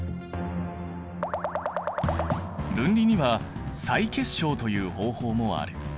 分離には再結晶という方法もある。